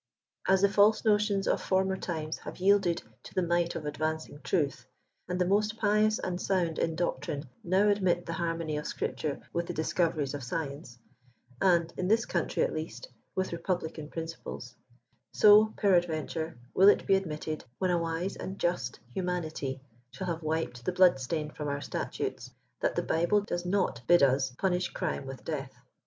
' As the false notions of former times have yielded to the might of advancing truth, and the most pious and sound in doctrine now admit the harmony of Scripture with the discoveries of science, and — in this country, at least — with republican principles ; so, peradventure, will it be admitted, when a wise and just humanity shall have wiped the blood stain from our statutes, that the Bible does not bid us punish crime with death.